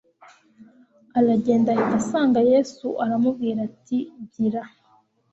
Aragenda ahita asanga Yesu aramubwira ati gira